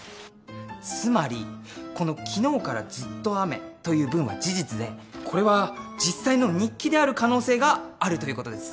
つまりこの「きのうからずっと雨」という文は事実でこれは実際の日記である可能性があるということです。